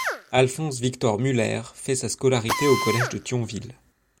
Alphons Victor Müller fait sa scolarité au collège de Thionville.